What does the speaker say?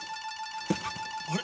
あれ？